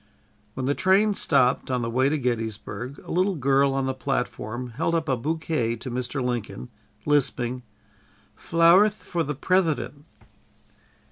'" When the train stopped, on the way to Gettysburg, a little girl on the platform held up a bouquet to Mr. Lincoln, lisping: "Flowerth for the Prethident."